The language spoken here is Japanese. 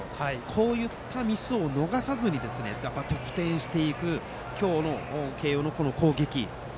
こういったミスを逃さずに得点していく今日の慶応の攻撃。